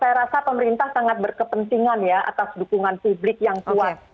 saya rasa pemerintah sangat berkepentingan ya atas dukungan publik yang kuat